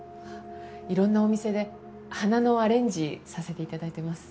いろんなお店で花のアレンジさせて頂いてます。